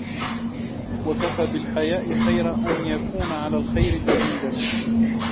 وَكَفَى بِالْحَيَاءِ خَيْرًا أَنْ يَكُونَ عَلَى الْخَيْرِ دَلِيلًا